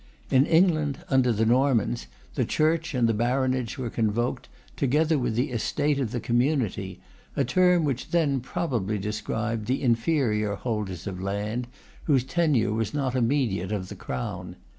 In England, under the Normans, the Church and the Baronage were convoked, together with the estate of the Community, a term which then probably described the inferior holders of land, whose tenure was not immediate of the Crown.